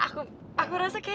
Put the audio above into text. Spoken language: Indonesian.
aku aku rasa kayak gak ada